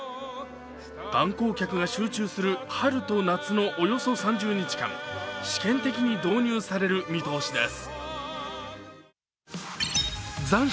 観光客が集中する春と夏のおよそ３０日間、試験的に導入される見通しです。